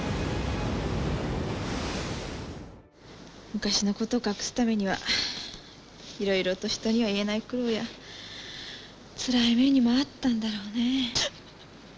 昔のことを隠すためにはいろいろと人には言えない苦労やつらい目にも遭ったんだろうね。